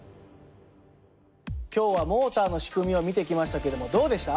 今日はモーターの仕組みを見てきましたけどもどうでした？